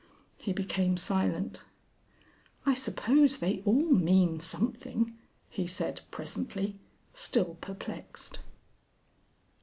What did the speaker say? He became silent. "I suppose they all mean something,", he said, presently, still perplexed.